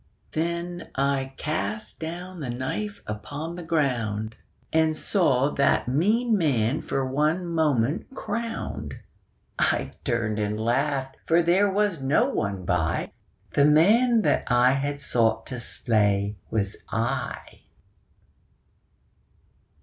Then I cast down the knife upon the ground And saw that mean man for one moment crowned. I turned and laughed: for there was no one by The man that I had sought to slay was I.